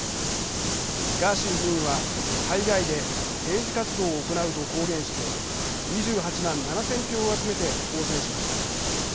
ガーシー議員は海外で政治活動を行うと公言して２８万７，０００票を集めて当選しました。